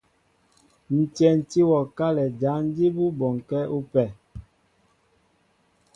Ǹ tyɛntí wɔ kálɛ jǎn jí bú bɔnkɛ́ ú pɛ.